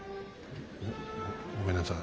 ごめんなさい。